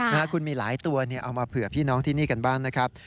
นะฮะคุณมีหลายตัวเอามาเผื่อพี่น้องที่นี่กันบ้างนะครับ